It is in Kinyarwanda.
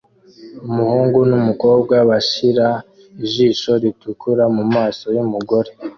Umuhungu numukobwa bashira ijisho ritukura mumaso yumugore